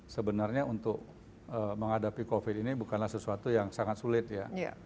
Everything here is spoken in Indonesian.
sebenarnya untuk menghadapi covid ini bukanlah sesuatu yang sangat sulit ya